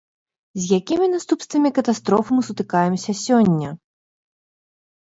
З якімі наступствамі катастрофы мы сутыкаемся сёння?